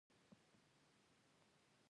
افغانستان څو ولايتونه او څو ولسوالي لري؟